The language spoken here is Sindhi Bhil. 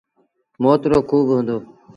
موت رو کوه با هُݩدو ۔